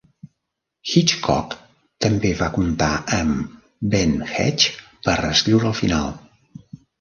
Hitchcock també va comptar amb Ben Hecht per reescriure el final.